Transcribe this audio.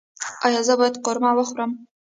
ایا زه باید قورمه وخورم؟